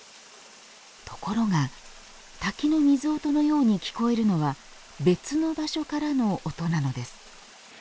ところが、滝の水音のように聞こえるのは別の場所からの音なのです。